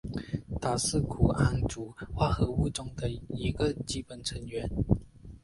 它是钴胺族化合物中的一个基本成员。